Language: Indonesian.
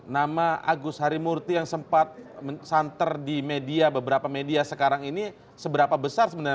nama agus harimurti yang sempat santer di media beberapa media sekarang ini seberapa besar sebenarnya